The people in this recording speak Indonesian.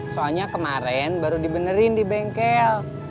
soalnya kemarin baru dibenerin di bengkel